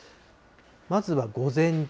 まずは午前中。